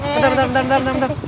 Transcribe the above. bentar bentar bentar